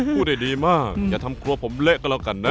พูดได้ดีมากอย่าทำครัวผมเละก็แล้วกันนะ